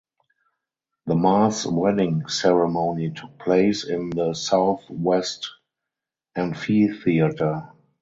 The mass wedding ceremony took place in the Southwest Amphitheater.